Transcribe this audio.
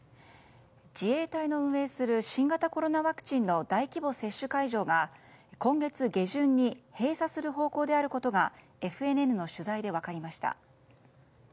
自衛隊の運営する新型コロナワクチンの大規模接種会場が今月下旬に閉鎖する方向であることがＦＮＮの取材で分かりました。